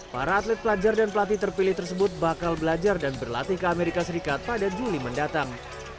para atlet pelajar dan pelatih terpilih tersebut bakal belajar dan berlatih ke amerika serikat pada juli mendatang